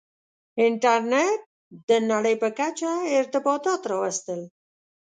• انټرنېټ د نړۍ په کچه ارتباطات راوستل.